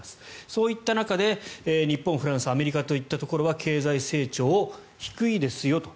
そういった中で日本、フランスアメリカといったところは経済成長、低いですよと。